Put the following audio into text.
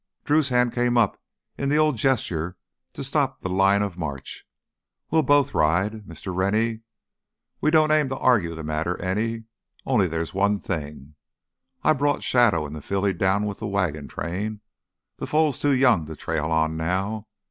Drew's hand came up in the old gesture to stop the line of march. "We'll both ride, Mr. Rennie. We don't aim to argue the matter any. Only—there's one thing—I brought Shadow and the filly down with the wagon train. The foal's too young to trail on now.